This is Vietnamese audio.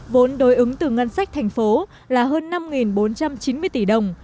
vốn đối ứng từ ngân sách thành phố là hơn năm bốn trăm chín mươi tỷ đồng